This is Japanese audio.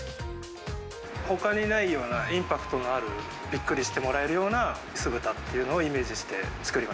ほかにないようなインパクトのある、びっくりしてもらえるような酢豚っていうのをイメージして作り